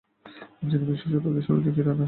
যিনি বিংশ শতাব্দীর শুরুর দিকে ইরানে আসেন।